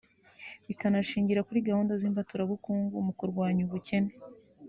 bikanashingira kuri gahunda z’imbaturabukungu mu kurwanya ubukene